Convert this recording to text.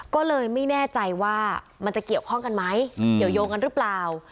ก็เลยไม่แน่ใจว่ามันจะเกี่ยวข้องกันไหมเกี่ยวยงกันหรือเปล่า